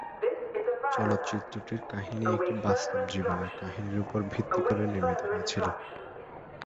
চলচ্চিত্রটির কাহিনী একটি বাস্তব জীবনের কাহিনীর উপর ভিত্তি করে নির্মিত হয়েছিলো।